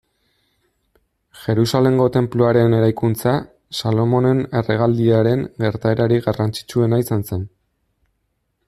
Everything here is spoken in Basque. Jerusalengo Tenpluaren eraikuntza, Salomonen erregealdiaren gertaerarik garrantzitsuena izan zen.